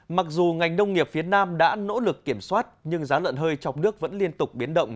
mặc dù ngành nông nghiệp phía nam đã nỗ lực kiểm soát nhưng giá lợn hơi trong nước vẫn liên tục biến động